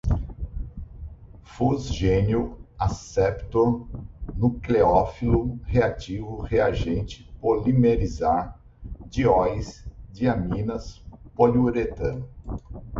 fosgênio, aceptor, nucléofilo, reativo, reagente, polimerizar, dióis, diaminas, poliuretano